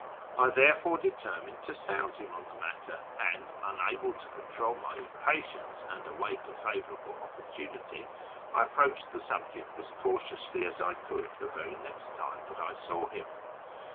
I therefore determined to sound him on the matter, and, unable to control my impatience and await a favourable opportunity, 1 approached the subject as cautiously as I could the very next time that I saw him.